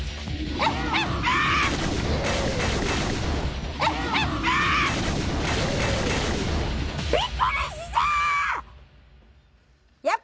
えっ？